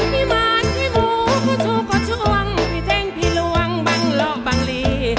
พี่มันพี่หมูก็ชูก็ช่วงพี่เท้งพี่ลวงบางละบางลี